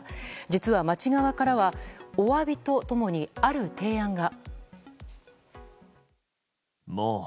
実は町側からはお詫びと共にある提案が。